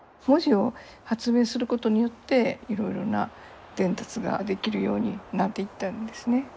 文字を発明することによっていろいろな伝達ができるようになっていったんですね。